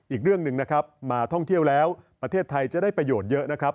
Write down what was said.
อีกเรื่องหนึ่งนะครับมาท่องเที่ยวแล้วประเทศไทยจะได้ประโยชน์เยอะนะครับ